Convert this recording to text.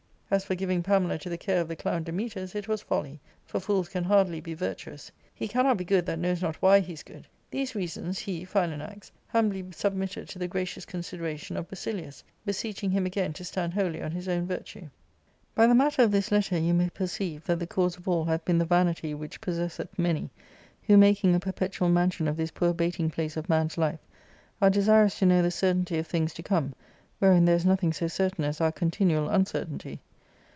As for giving Pamela to the care of the clown Dametas, it was folly ; for fools can hardly be virtuous. '" He cannot be good that knows not why he's good.'; These reasons he (Philanax) humbly submitted to the gracious consideration of Basilius, beseeching him again to stand wholly on his own virtue. .'^ "By the matter of this letter you may perceive that the cause of all hath been the vanity which possesseth many, who, making a perpetual mansion of this poor baiting place / of man's life, are desirous to know the certainty of things to i . cornc^ wherein._there ls nothing so certain as our^ontinual i uncertainty.